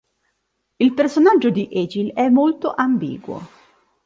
Il personaggio di Egill è molto ambiguo.